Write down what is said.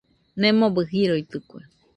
Nemobɨ jiroitɨkue.